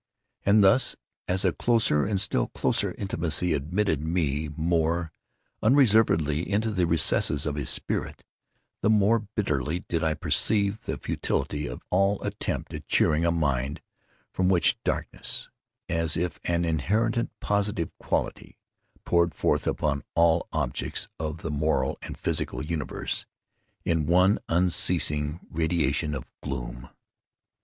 And thus, as a closer and still closer intimacy admitted me more unreservedly into the recesses of his spirit, the more bitterly did I perceive the futility of all attempt at cheering a mind from which darkness, as if an inherent positive quality, poured forth upon all objects of the moral and physical universe, in one unceasing radiation of gloom.